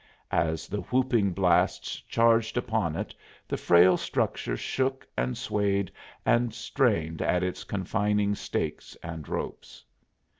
As the whooping blasts charged upon it the frail structure shook and swayed and strained at its confining stakes and ropes.